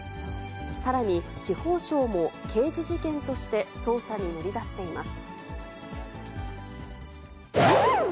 さらに、司法省も刑事事件として捜査に乗り出しています。